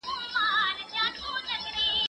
دا قلمان له هغو ښه دي؟